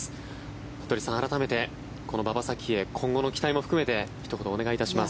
服部さん、改めてこの馬場咲希へ今後の期待も含めてひと言、お願いします。